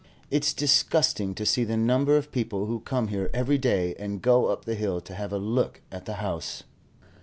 It's disgusting to see the number of people who come here every day and go up the hill to have a look at the house."